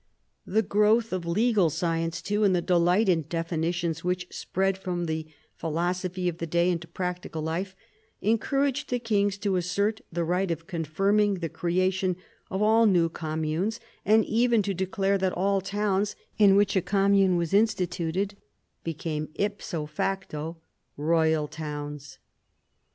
The growth of legal science too, and the delight in definitions which spread from the philosophy of the day into practical life, encouraged the kings to assert the right of confirming the creation of all new communes, and even to declare that all towns in which a commune was instituted became ipso facto royal towns.